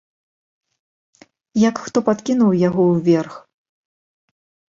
Як хто падкінуў яго ўверх.